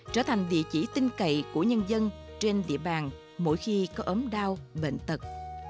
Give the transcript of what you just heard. trở thành địa chỉ tinh cậy của nhân dân trên địa bàn mỗi khi có ốm đau bệnh tật